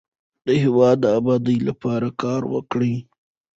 د هیواد د ابادۍ لپاره کار وکړو.